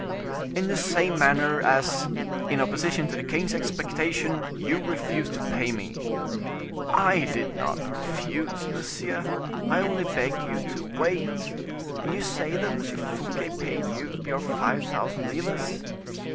"In the same manner, as, in opposition to the king's expectation, you refused to pay me." "I did not refuse, monsieur, I only begged you to wait. And you say that M. Fouquet paid you your five thousand livres?"